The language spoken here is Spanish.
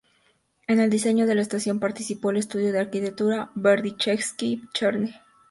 En el diseño de la estación participó el estudio de arquitectura Berdichevsky-Cherny.